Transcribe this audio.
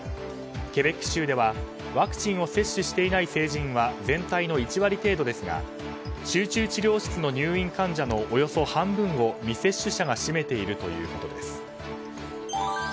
ケベック州ではワクチンを接種していない成人は全体の１割程度ですが集中治療室の入院患者のおよそ半分を未接種者が占めているということです。